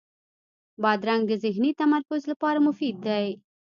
بادرنګ د ذهني تمرکز لپاره مفید دی.